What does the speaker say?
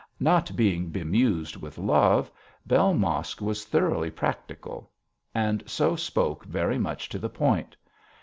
Not being bemused with love, Bell Mosk was thoroughly practical, and so spoke very much to the point.